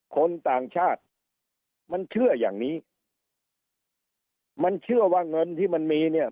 คนต่างชาติมันเชื่ออย่างนี้มันเชื่อว่าเงินที่มันมีเนี่ย